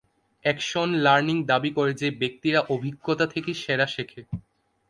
Action learning দাবি করে যে ব্যক্তিরা অভিজ্ঞতা থেকে সেরা শেখে।